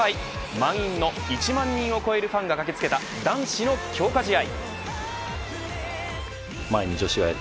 満員の１万人を超えるファンが駆けつけた男子の強化試合。